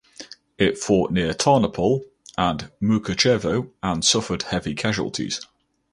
It fought near Tarnopol and Mukachevo and suffered heavy casualties.